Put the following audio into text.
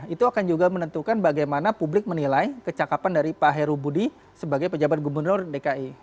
itu akan juga menentukan bagaimana publik menilai kecakapan dari pak heru budi sebagai pejabat gubernur dki